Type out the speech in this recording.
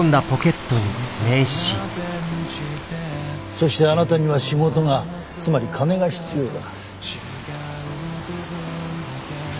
そしてあなたには仕事がつまり金が必要だ。